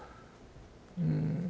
うん。